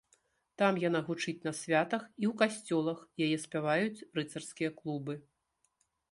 Там яна гучыць на святах і ў касцёлах, яе спяваюць рыцарскія клубы.